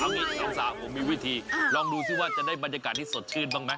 เอางี้สาวผมมีวิธีลองดูซิว่าจะได้บรรยากาศที่สดชื่นบ้างไหม